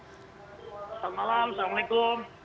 selamat malam assalamualaikum